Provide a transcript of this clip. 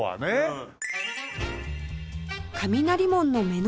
うん。